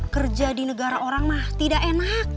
kerja di negara orang mah tidak enak